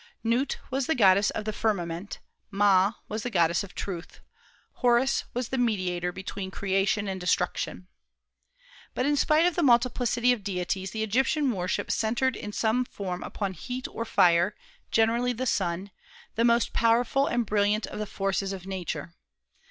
Nut was the goddess of the firmament; Ma was the goddess of truth; Horus was the mediator between creation and destruction. But in spite of the multiplicity of deities, the Egyptian worship centred in some form upon heat or fire, generally the sun, the most powerful and brilliant of the forces of Nature.